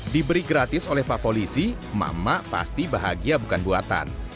diberi gratis oleh pak polisi mama pasti bahagia bukan buatan